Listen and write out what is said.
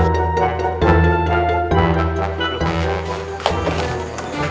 fikri sudah tidur